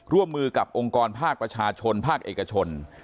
ร่วมมือกับองค์กรภาคประชาชนภาคเอกชน